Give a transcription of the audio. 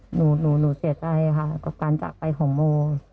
หนูหนูเสียใจค่ะเพราะการจักรไปของโม